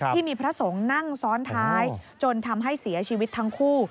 ที่มีพระสงฆ์นั่งซ้อนท้ายจนทำให้เสียชีวิตทั้งคู่